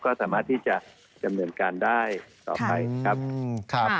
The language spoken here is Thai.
ก็สามารถที่จะเมื่อการได้ต่อไปครับ